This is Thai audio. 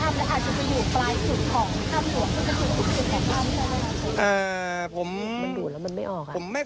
ถ้ามันอาจจะอยู่ปลายสุดของอ่าผมมันดูดแล้วมันไม่ออก